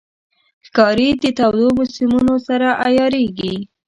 ښکاري د تودو موسمونو سره عیارېږي.